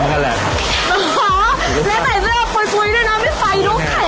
หรือถ้ายังไงพูดไหวด้วยนะไม่ไฟรูปแขนมัน